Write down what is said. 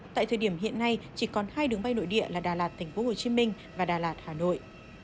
tại thời điểm hiện nay chỉ còn hai đường bay nội địa là đà lạt tp hcm và đà lạt hà nội